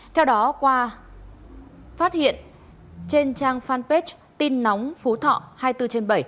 theo đó qua phát hiện trên trang fanpage tin nóng phú thọ hai mươi bốn trên bảy